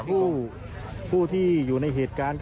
ผู้ที่อยู่ในเหตุการณ์